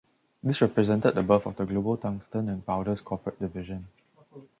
This represented the birth of the Global Tungsten and Powders corporate division.